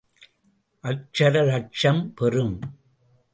அக்ஷர லக்ஷம் பெறும்.